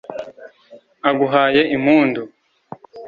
Aguhaye impundu